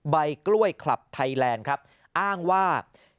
ใบกล้วยคลับไทยแลนด์ครับอ้างว่า